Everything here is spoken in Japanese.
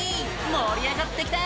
「盛り上がってきた！